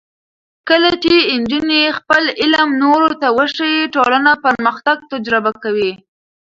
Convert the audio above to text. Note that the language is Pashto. کله چې نجونې خپل علم نورو ته وښيي، ټولنه پرمختګ تجربه کوي.